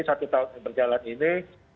satu tahun berjalan ini